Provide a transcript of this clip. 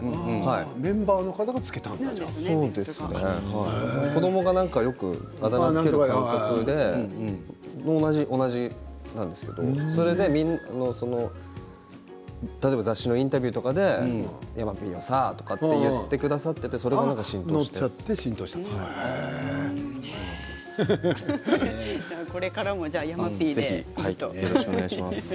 メンバーの方が付けたんだそうですね子どもがよくあだ名をつける感覚で同じなんですけれど例えば雑誌のインタビューとかで山Ｐはさ、って言ってくださってこれからも山Ｐで。